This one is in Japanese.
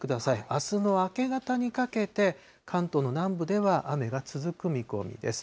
あすの明け方にかけて、関東の南部では雨が続く見込みです。